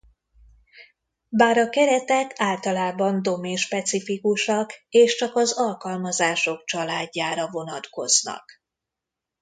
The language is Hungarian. Bár a keretek általában domain-specifikusak és csak az alkalmazások családjára vonatkoznak.